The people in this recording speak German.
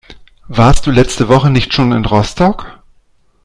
Warst du letzte Woche nicht schon in Rostock?